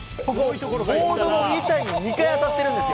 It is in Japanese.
ボールが板に２回当たっているんですよ。